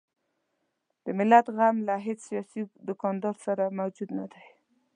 د ملت غم له هیڅ سیاسي دوکاندار سره موجود نه دی.